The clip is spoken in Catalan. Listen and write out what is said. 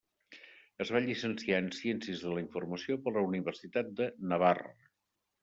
Es va llicenciar en Ciències de la Informació per la Universitat de Navarra.